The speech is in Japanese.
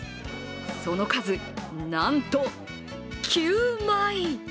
その数、なんと９枚！